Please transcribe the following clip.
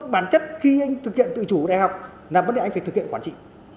bản chất khi anh thực hiện tự chủ đại học là vấn đề anh phải thực hiện quản trị